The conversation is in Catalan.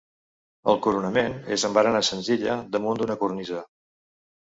El coronament és amb barana senzilla, damunt d'una cornisa.